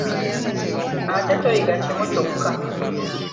Ate toyiga kimu kyokka.